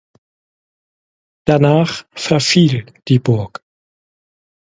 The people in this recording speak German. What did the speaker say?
Danach verfiel die Burg.